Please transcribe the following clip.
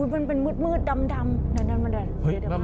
มันเป็นมืดดำ